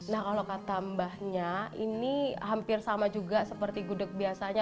nah kalau kata mbahnya ini hampir sama juga seperti gudeg biasanya